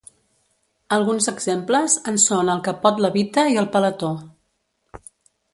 Alguns exemples en són el capot levita i el paletó.